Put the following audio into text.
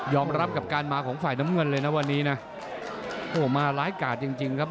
รับกับการมาของฝ่ายน้ำเงินเลยนะวันนี้นะโอ้โหมาร้ายกาดจริงจริงครับ